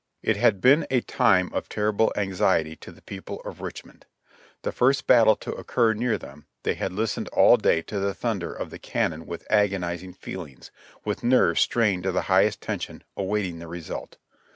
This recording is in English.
It had been a time of terrible anxiety to the people of Rich mond. The first battle to occur near them, they had listened all day to the thunder of the cannon with agonizing feelings, with nerves strained to the highest tension, awaiting the result.